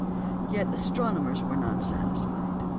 Yet astronomers were not satisfied.